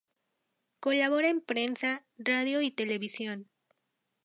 Colabora en prensa, radio y televisión.